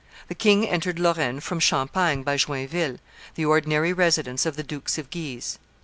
The king entered Lorraine from Champagne by Joinville, the ordinary residence of the Dukes of Guise.